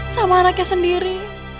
sama anaknya sendiri